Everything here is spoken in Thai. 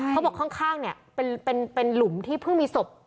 เขาบอกข้างเนี่ยเป็นหลุมที่เพิ่งมีศพ